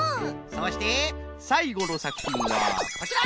そしてさいごのさくひんはこちら！